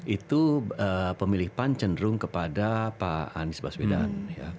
itu pemilih pan cenderung kepada pak anies baswedan